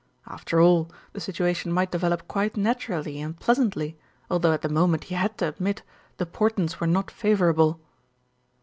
After all, the situation might develop quite naturally and pleasantly, although at the moment he had to admit the portents were not favourable.